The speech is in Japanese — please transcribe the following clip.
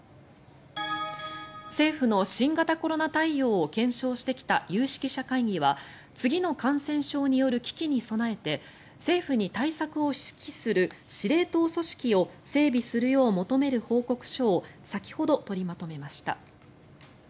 政府の新型コロナ対応を検証してきた有識者会議は次の感染症による危機に備えて政府に対策を指揮する司令塔組織を整備するよう求める報告書を先ほど取りまとめました。